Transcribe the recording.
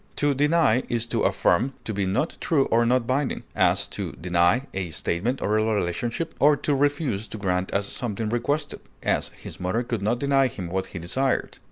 To deny is to affirm to be not true or not binding; as, to deny a statement or a relationship; or to refuse to grant as something requested; as, his mother could not deny him what he desired.